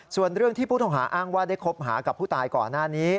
ส่วนเรื่องที่ผู้ต้องหาอ้างว่าได้คบหากับผู้ตายก่อนหน้านี้